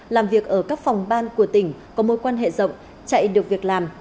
làm việc ở các phòng ban của tỉnh có mối quan hệ rộng chạy được việc làm